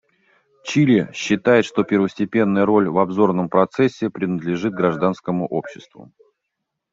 Чили считает, что первостепенная роль в обзорном процессе принадлежит гражданскому обществу.